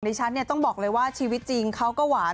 ฉันเนี่ยต้องบอกเลยว่าชีวิตจริงเขาก็หวาน